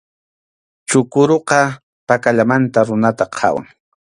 Chukuruqa pakallamanta runata qhawan.